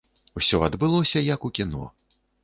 Усё адбылося, як у кіно.